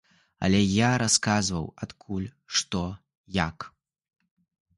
Але я расказваў, адкуль, што, як.